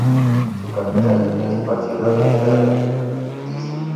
Su capital, y principal ciudad, era Dese.